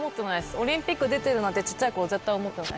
オリンピック出てるなんて小っちゃい頃絶対思ってないです。